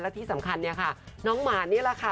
และที่สำคัญเนี่ยค่ะน้องหมานี่แหละค่ะ